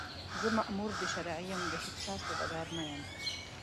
زه مامور د شرعي یم، د هېچا صوبه دار نه یم